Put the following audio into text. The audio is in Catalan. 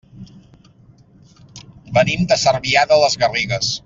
Venim de Cervià de les Garrigues.